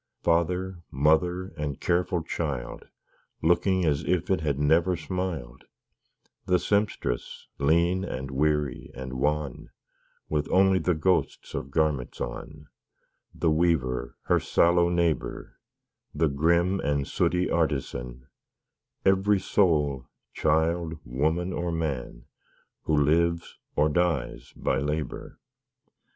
Father, mother, and careful child, Looking as if it had never smiled The Sempstress, lean, and weary, and wan, With only the ghosts of garments on The Weaver, her sallow neighbor, The grim and sooty Artisan; Every soul child, woman, or man, Who lives or dies by labor.